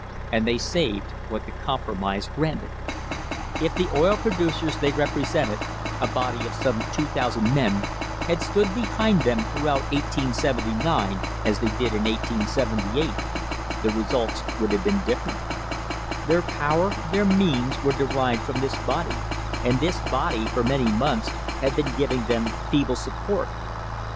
And they saved what the compromise granted. If the oil producers they repre sented, a body of some 2,000 men, had stood behind them throughout 1879 as they did in 1878 the results would have been different. Their power, their means, were derived from this body, and this body for many months had been giv ing them feeble support.